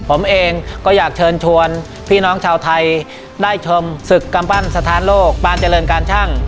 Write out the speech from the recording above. ผมเองก็อยากเชิญชวนพี่น้องชาวไทยได้ชมศึกกำปั้นสถานโลกบ้านเจริญการชั่ง